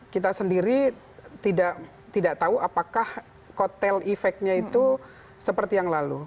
kita sendiri tidak tahu apakah kotel efeknya itu seperti yang lalu